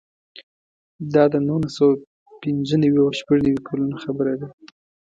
دا د نولس سوه پنځه نوي او شپږ نوي کلونو خبره ده.